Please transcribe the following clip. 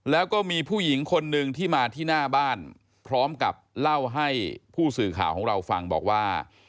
แล้วก็มีผู้หญิงคนนึงที่มาที่หน้าบ้านพร้อมกับเล่าให้ผู้สื่อข่าวของเราฟังบอกว่า